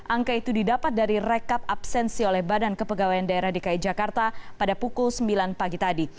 angka itu didapat dari rekap absensi oleh badan kepegawaian daerah dki jakarta pada pukul sembilan pagi tadi